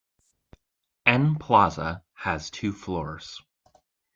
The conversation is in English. N Plaza has two floors.